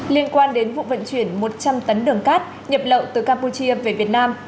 liên quan đến vụ vận chuyển một trăm linh tấn đường cát nhập lậu từ campuchia về việt nam